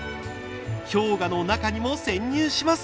氷河の中にも潜入します。